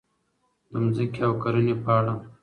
د ځمکې او کرنې په اړه: